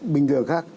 bình thường khác